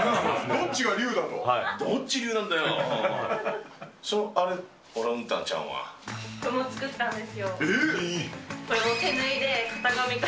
どっちが竜だと。